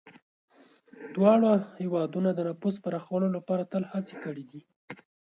دواړه هېوادونه د نفوذ پراخولو لپاره تل هڅې کړي دي.